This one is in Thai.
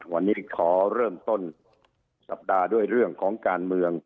วันนี้ขอเริ่มต้นสัปดาห์ด้วยเรื่องของการเมือง